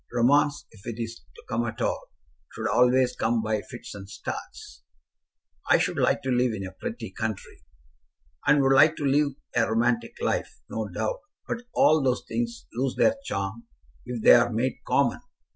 Romance, if it is to come at all, should always come by fits and starts." "I should like to live in a pretty country." "And would like to live a romantic life, no doubt; but all those things lose their charm if they are made common.